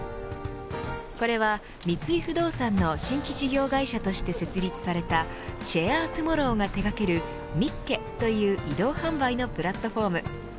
これは三井不動産の新規事業会社として設立されたＳｈａｒｅＴｏｍｏｒｒｏｗが手掛けるＭＩＫＫＥ！という移動販売のプラットフォーム。